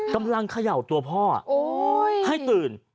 กำลังเขย่าตัวพ่อให้ตื่น